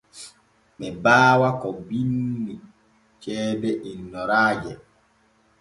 Ɓe baawa ko winni ceede innoraaje.